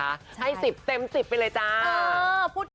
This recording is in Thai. ใช่ให้สิบเต็มสิบไปเลยจ้าเออพูด